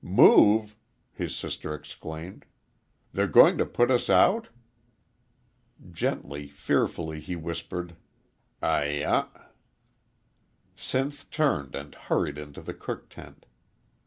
"Move!" his sister exclaimed. "They're going to put us out?" Gently, fearfully, he whispered, "Ay uh " Sinth turned and hurried into the cook tent.